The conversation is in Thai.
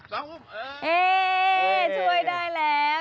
นี่ช่วยได้แล้ว